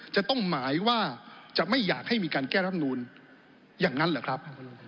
จะต้องหมายว่าจะไม่อยากให้มีการแก้รับนูลอย่างนั้นเหรอครับ